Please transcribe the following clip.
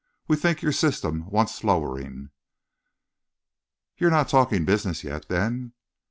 We think your system wants lowering." "You're not talking business yet, then?"